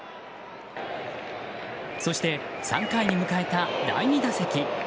そして、３回に迎えた第２打席。